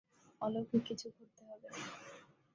অলৌকিক কিছু ঘটতে হবে!